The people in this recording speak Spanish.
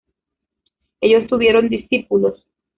Ellos tuvieron discípulos.